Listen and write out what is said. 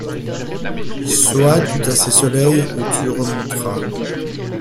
Sois tout à ces soleils où tu remonteras!